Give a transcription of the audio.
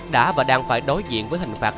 đã và đang phải đối diện với hình phạt